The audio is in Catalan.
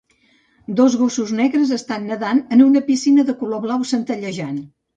Dos gossos negres estan nedant en una piscina de color blau centellejant.